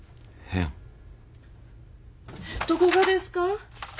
どこがですか？